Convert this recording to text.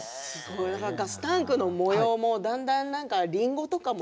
ガスタンクの模様もだんだんリンゴとかも